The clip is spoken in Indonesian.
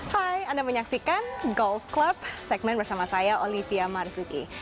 hai anda menyaksikan golf club segmen bersama saya olivia marzuki